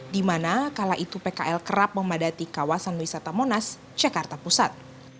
di mana kala itu pkl kerap memadati kawasan wisata monas jakarta pusat